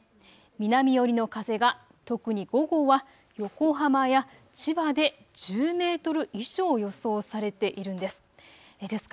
南寄りの風が特に午後は横浜や千葉で１０メートル以上、予想されているんです。